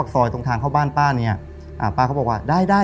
ป๊าหน้าปากซอยตรงทางเข้าบ้านป๊าเนี้ยอ่าป๊าเขาบอกว่าได้ได้